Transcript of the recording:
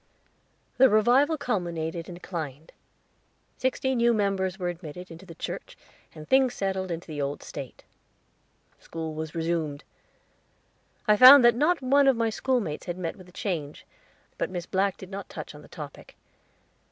The revival culminated and declined. Sixty new members were admitted into the church, and things settled into the old state. School was resumed; I found that not one of my schoolmates had met with a change, but Miss Black did not touch on the topic.